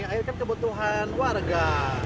akhirnya kebutuhan warga